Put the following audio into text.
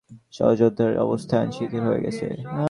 ফলে মুসায়লামা ও তার সহযোদ্ধাদের অবস্থান শিথিল হয়ে গেল।